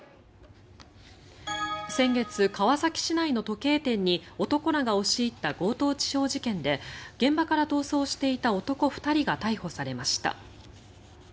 先月、川崎市内の時計店に男らが押し入った強盗致傷事件で現場から逃走していた男２人が逮捕されました。